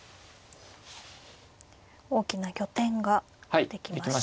大きな拠点ができました。